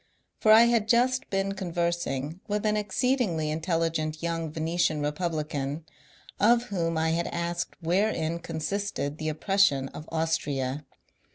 For I had just been conversing with an exceedingly intelligent young Venetian Eepublican, of whom I had asked wherein consisted the oppression of Austria.